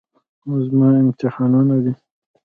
زما امتحانونه دي.